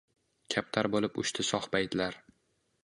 kaptar boʼlib uchdi shohbaytlar